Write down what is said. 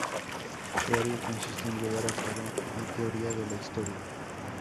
Su tarea consiste en llevar a cabo una teoría de la historia.